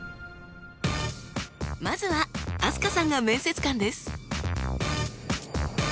まずは飛鳥さんが面接官です。